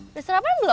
udah sarapan belum